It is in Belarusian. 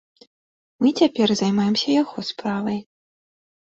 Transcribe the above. Мы цяпер займаемся яго справай.